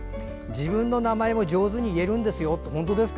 自分の名前も上手に言えるんですよ。